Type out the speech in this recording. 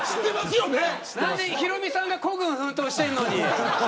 何でヒロミさんが孤軍奮闘しているのに。